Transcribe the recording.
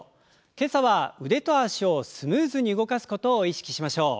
今朝は腕と脚をスムーズに動かすことを意識しましょう。